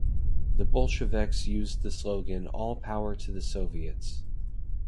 The Bolsheviks used the slogan All power to the soviets!